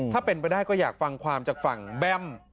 ถ้าเป็นไปได้ก็อยากฟังความจากฝั่งแบ้ม